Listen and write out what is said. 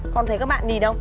con thấy các bạn gì đâu